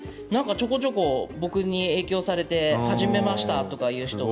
ちょこちょこ僕に影響を受けて始めましたという方も。